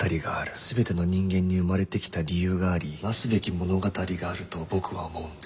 全ての人間に生まれてきた理由がありなすべき物語があると僕は思うんです。